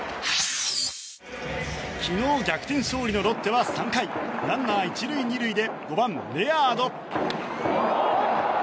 昨日、逆転勝利のロッテは３回、ランナー１塁２塁でレアード。